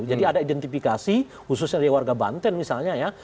jadi ada identifikasi khususnya dari warga banten misalnya